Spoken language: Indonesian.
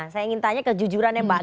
saya ingin tanya kejujurannya mbak